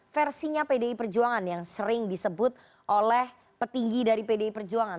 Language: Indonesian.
versinya pdi perjuangan yang sering disebut oleh petinggi dari pdi perjuangan